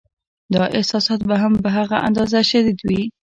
دا احساسات به هم په هغه اندازه شدید وي.